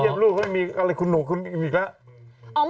เก็บรูปเขาไม่มีอะไรคุณหนุ่มอีกแล้ว